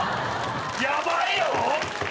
ヤバいよ！？